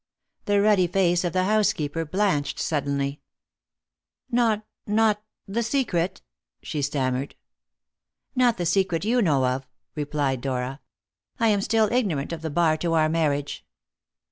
The ruddy face of the housekeeper blanched suddenly. "Not not the secret?" she stammered. "Not the secret you know of," replied Dora. "I am still ignorant of the bar to our marriage."